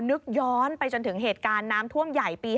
นึกย้อนไปจนถึงเหตุการณ์น้ำท่วมใหญ่ปี๕